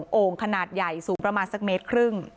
โอ่งขนาดใหญ่สูงประมาณสักเมตรครึ่ง